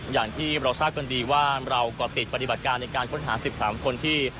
อย่างที่เราทราบกันดีว่าเราก่อติดปฏิบัติการในการค้นหา๑๓คนที่